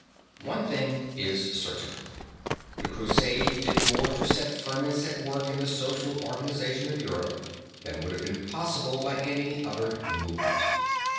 One thing is certain, the Crusades did more to set ferments at work in the social organization of Europe than would have been possible by any other movement.